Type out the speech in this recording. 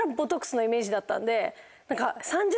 のイメージだったんで。